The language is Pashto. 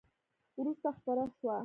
وروسته خپره شوه !